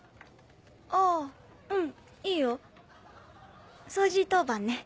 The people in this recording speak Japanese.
あぁうんいいよ掃除当番ね。